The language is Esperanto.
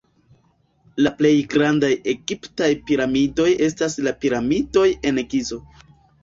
La plej grandaj egiptaj piramidoj estas la piramidoj en Gizo.